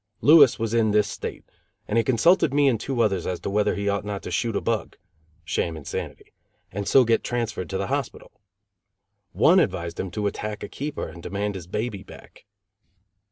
Louis was in this state, and he consulted me and two others as to whether he ought not to "shoot a bug" (sham insanity); and so get transferred to the hospital. One advised him to attack a keeper and demand his baby back.